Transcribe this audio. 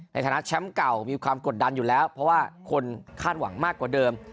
ในฐานะแชมป์เก่ามีความกดดันอยู่แล้วเพราะว่าคนคาดหวังมากกว่าเดิม